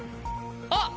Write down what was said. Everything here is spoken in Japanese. あっ！